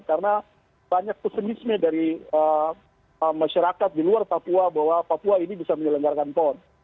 karena banyak pesenisme dari masyarakat di luar papua bahwa papua ini bisa menyelenggarkan pon